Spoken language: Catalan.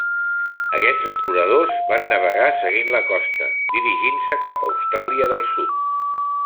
Aquests exploradors van navegar seguint la costa dirigint-se cap a Austràlia del Sud.